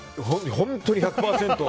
本当に１００％。